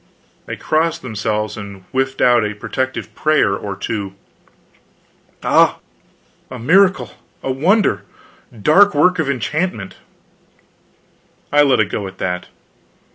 They crossed themselves, and whiffed out a protective prayer or two. "Ah h a miracle, a wonder! Dark work of enchantment." I let it go at that.